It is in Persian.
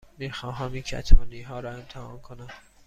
می خواهم این کتانی ها را امتحان کنم.